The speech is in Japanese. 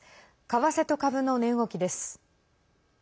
為替と株の値動きです。